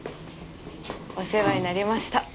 お世話になりました。